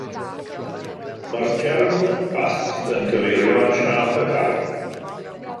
Mae'r term "bath" yn cyfeirio at siâp y car.